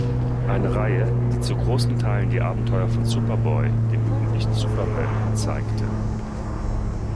Eine Reihe, die zu großen Teilen die Abenteuer von Superboy, dem jugendlichen Superman, zeigte.